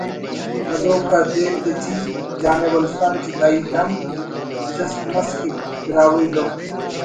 تدوک آ دے تیٹی جامعہ بلوچستان اٹی دا ہیت ہم چست مس کہ ”براہوئی لوک